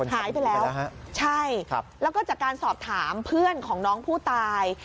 หายไปแล้วใช่แล้วก็จากการสอบถามเพื่อนของน้องผู้ตาย